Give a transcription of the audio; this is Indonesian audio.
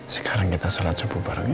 sekarang kita sholat subuh bareng